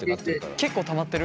結構たまってる？